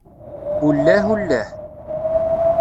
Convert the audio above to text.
Ullah, ullah.